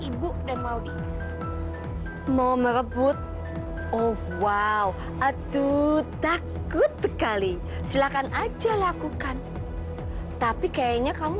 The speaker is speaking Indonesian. ibu dan maudie mau merebut oh wow aduh takut sekali silakan aja lakukan tapi kayaknya kamu